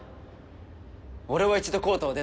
俺は一度コートを出た。